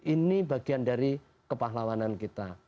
ini bagian dari kepahlawanan kita